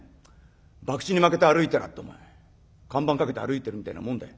博打に負けて歩いてらってお前看板かけて歩いてるみたいなもんだい。